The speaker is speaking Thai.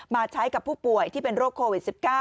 มาใช้กับผู้ป่วยที่เป็นโรคโควิด๑๙